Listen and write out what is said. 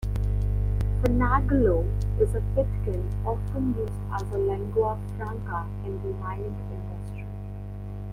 Fanagalo is a pidgin often used as a lingua franca in the mining industry.